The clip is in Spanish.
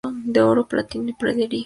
De oro, platino y pedrería.